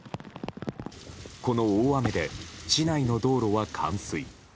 この大雨で、市内の道路は冠水。